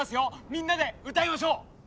みんなで歌いましょう！